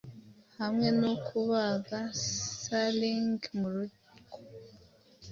Hamwe yo kubaga sallying murugo